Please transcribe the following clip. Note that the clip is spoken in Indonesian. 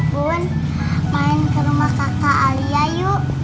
bun main ke rumah kakak alia yuk